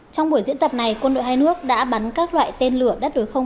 trong buổi diễn tập này quân đội hai nước đã bắn các loại tên lửa đất đối không